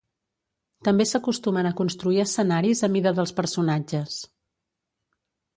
També s'acostumen a construir escenaris a mida dels personatges.